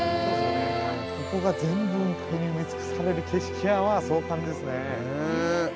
◆ここが全部雲海に埋め尽くされる景色は壮観ですね。